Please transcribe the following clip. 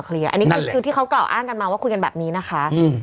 อันนี้คือที่เขากล่าวอ้างกันมาว่าคุยกันแบบนี้นะคะ